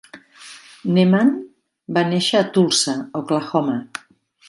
Lehman va néixer a Tulsa, Oklahoma.